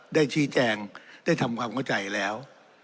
ได้ชี้แจงได้ทำความเข้าใจแล้ว